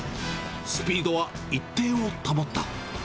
スピードは一定を保った。